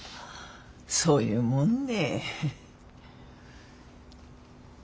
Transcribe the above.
そういうもんね？